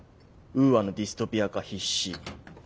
ウーアのディストピア化必至。